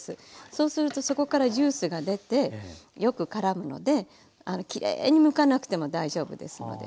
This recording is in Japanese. そうするとそこからジュースが出てよく絡むのできれいにむかなくても大丈夫ですので。